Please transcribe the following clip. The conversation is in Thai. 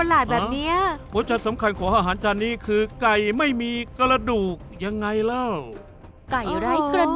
ทำไมล่ะเดี๋ยวถ้าให้ฉันเดือดร้อนก่อนเหรอ